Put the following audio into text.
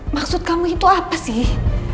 maksud kamu itu apa sih